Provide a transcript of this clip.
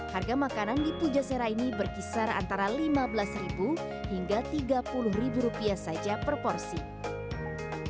harga makanan di pujaserah ini berkisar antara rp lima belas hingga rp tiga puluh saja per portion